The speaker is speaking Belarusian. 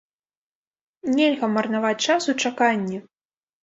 Нельга марнаваць час у чаканні!